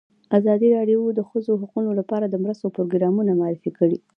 ازادي راډیو د د ښځو حقونه لپاره د مرستو پروګرامونه معرفي کړي.